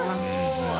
Δうまい。